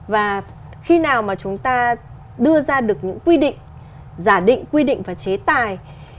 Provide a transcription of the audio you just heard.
và khi nào mà chúng ta đưa ra được những quy định giả định quy định và chế tài